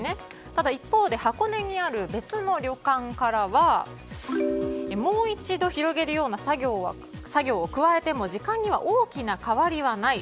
ただ一方で箱根にある別の旅館からはもう一度広げるような作業を加えても時間には大きな変わりはない。